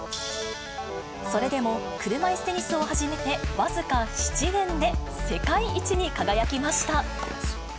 それでも車いすテニスを始めて僅か７年で世界一に輝きました。